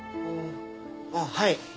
ああはい。